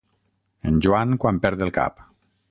En Joan quan perd el cap.